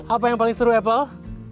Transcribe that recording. apa yang paling seru apple